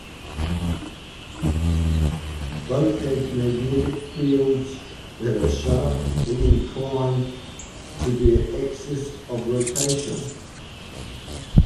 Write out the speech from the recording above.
Both have magnetic fields that are sharply inclined to their axes of rotation.